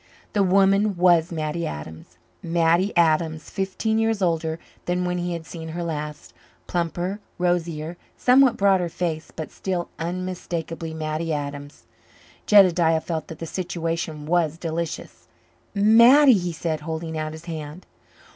The woman was Mattie Adams Mattie Adams fifteen years older than when he had seen her last, plumper, rosier, somewhat broader faced, but still unmistakably Mattie Adams. Jedediah felt that the situation was delicious. "Mattie," he said, holding out his hand.